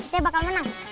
kita bakal menang